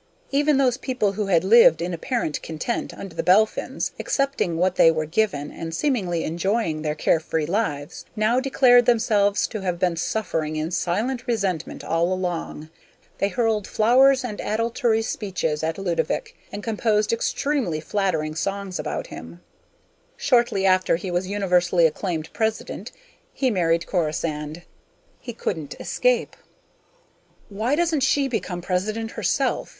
Even those people who had lived in apparent content under the Belphins, accepting what they were given and seemingly enjoying their carefree lives, now declared themselves to have been suffering in silent resentment all along. They hurled flowers and adulatory speeches at Ludovick and composed extremely flattering songs about him. Shortly after he was universally acclaimed President, he married Corisande. He couldn't escape. "Why doesn't she become President herself?"